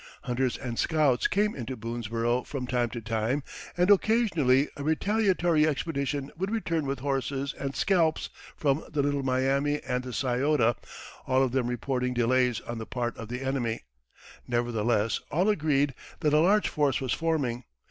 Hunters and scouts came into Boonesborough from time to time, and occasionally a retaliatory expedition would return with horses and scalps from the Little Miami and the Scioto, all of them reporting delays on the part of the enemy; nevertheless all agreed that a large force was forming.